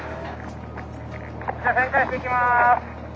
・じゃあ旋回していきます。